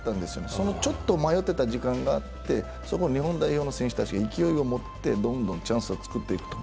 そのちょっと迷ってた時間があって、そこを日本代表の選手たちが勢いを持ってどんどんチャンスを作っていくとる